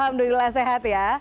alhamdulillah sehat ya